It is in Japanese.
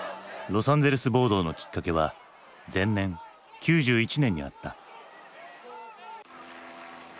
ロサンゼルス暴動のきっかけは前年９１年にあった。